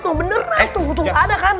mau beneran tunggu tunggu ada kan